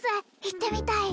行ってみたい